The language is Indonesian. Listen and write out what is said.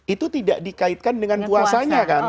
itu tidak dikaitkan dengan puasanya kan